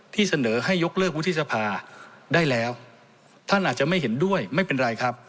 เสนอให้ยกเลิกวุฒิสภาได้แล้วท่านอาจจะไม่เห็นด้วยไม่เป็นไรครับ